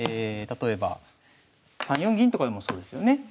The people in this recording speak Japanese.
例えば３四銀とかでもそうですよね。